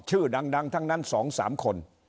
ชื่อดังทั้งนั้น๒๓คน